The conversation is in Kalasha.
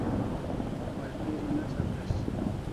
Malgeri ne sapres